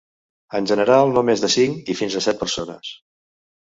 En general no més de cinc i fins a set persones.